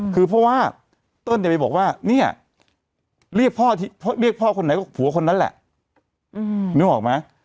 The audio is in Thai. คือเพราะว่าเติ้ลเนี่ยไปบอกว่าเนี่ยเรียกพ่อคนไหนก็ผัวคนนั้นแหละนึกออกไหม